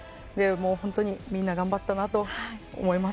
本当にみんな頑張ったなと思います。